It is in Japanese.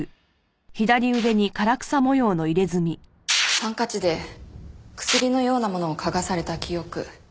ハンカチで薬のようなものを嗅がされた記憶。